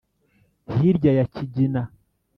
Hirya ya Kigina.